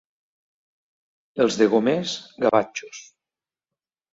Els de Golmés, gavatxos.